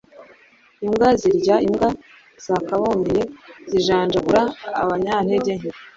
Imbwa zirya imbwa zabakomeye zijanjagura abanyantege nke